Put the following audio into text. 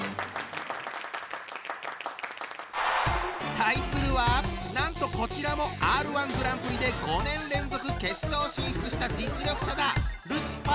対するはなんとこちらもＲ−１グランプリで５年連続決勝進出した実力者だ！